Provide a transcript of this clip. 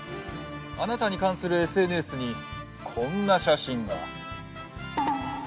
あなたに関するＳＮＳにこんな写真が。